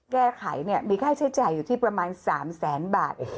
แก้ไขมีค่าใช้จ่ายอยู่ที่ประมาณ๓แสนบาท